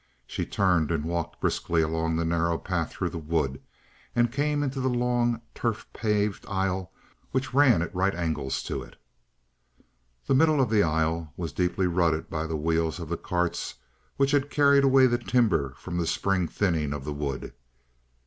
She turned and walked briskly along the narrow path through the wood, and came into the long, turf paved aisle which ran at right angles to it. The middle of the aisle was deeply rutted by the wheels of the carts which had carried away the timber from the spring thinning of the wood.